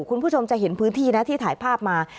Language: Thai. คุณผู้ชมจะเห็นพื้นที่นะที่ถ่ายภาพมา